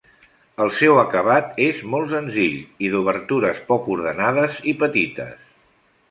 El seu acabat és molt senzill i d'obertures poc ordenades i petites.